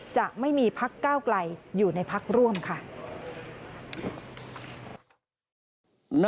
จะไม่มีพักก้าวไกลอยู่ในพักร่วมค่ะ